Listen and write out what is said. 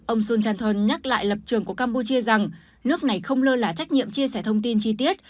ông sun chanthong nhắc lại lập trường của campuchia rằng nước này không lơ là trách nhiệm chia sẻ thông tin chi tiết